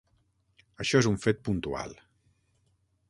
Això és un fet puntual.